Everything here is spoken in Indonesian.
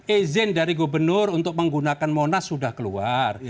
izin dari gubernur untuk menggunakan monas sudah keluar